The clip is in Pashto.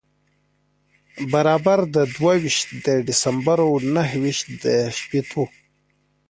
برابر د دوه ویشت د دسمبر و نهه ویشت و شپېتو.